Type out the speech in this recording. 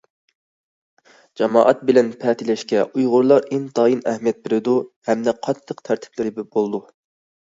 جامائەت بىلەن پەتىلەشكە ئۇيغۇرلار ئىنتايىن ئەھمىيەت بېرىدۇ ھەمدە قاتتىق تەرتىپلىرى بولىدۇ.